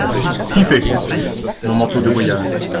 Si fait !… mon manteau de voyage.